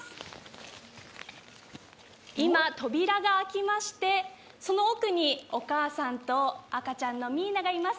今、扉が開きましてその奥にお母さんと赤ちゃんのミーナがいます。